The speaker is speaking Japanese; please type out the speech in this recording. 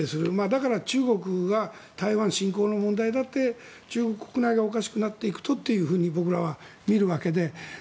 だから、中国が台湾侵攻の問題だって中国国内がおかしくなっていくとというふうに僕らは見るわけで。